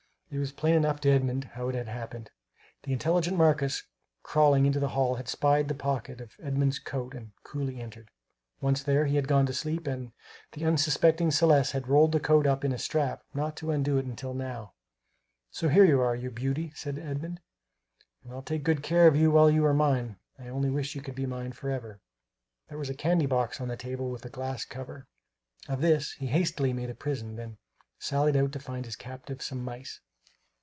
It was plain enough to Edmund how it had happened. The intelligent Marcus crawling into the hall had spied the pocket of Edmund's coat and coolly entered. Once there, he had gone to sleep and the unsuspecting Celeste had rolled the coat up in a strap not to undo it until now. "So here you are, you beauty," said Edmund, "and I'll take good care of you while you are mine; I only wish you could be mine forever!" There was a candy box on the table with a glass cover. Of this he hastily made a prison, then sallied out to find his captive some mice.